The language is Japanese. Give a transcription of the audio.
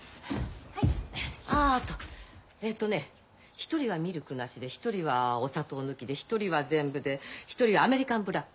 一人はミルクなしで一人はお砂糖抜きで一人は全部で一人はアメリカンブラック。